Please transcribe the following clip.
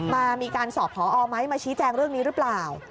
มีการสอบพอไหมมาชี้แจงเรื่องนี้หรือเปล่า